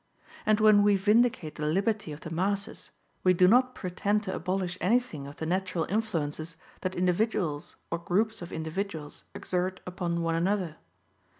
And when we vindicate the liberty of the masses, we do not pretend to abolish anything of the natural influences that individuals or groups of individuals exert upon one another.